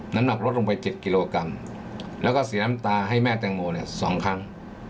น้ำหนักลดลงไป๗กิโลกรัมแล้วก็เสียน้ำตาให้แม่แตงโมเนี่ย๒ครั้ง